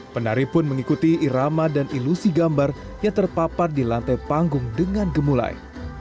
penari pun mengikuti irama dan ilusi gambar yang terpapar di lantai panggung dengan gemulai